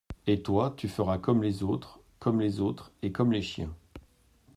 Et toi, tu feras comme les autres : comme les autres et comme les chiens.